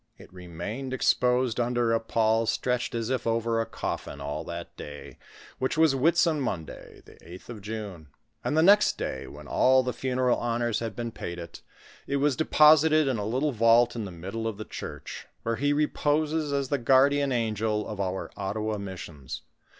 It remained exposed under a pall stretched as if over a coffin all that day, which was Whitsun Monday, the 8th of Juno ; and the next day, when all the funeral honors had been paid it, it was de posited in a little vault in the middle of the church, where he reposes as the guardian angel of our Ottawa missions.